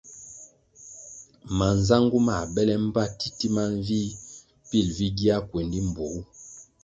Manzangu mãh bele mbpa titima mvih pil vi gia kuendi mbpuogu.